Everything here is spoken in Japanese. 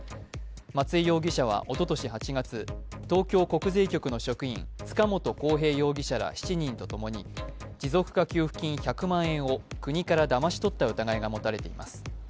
松江容疑者はおととし８月、東京国税局の職員、塚本晃平容疑者ら７人と共に持続化給付金１００万円を国からだまし取った疑いが持たれています。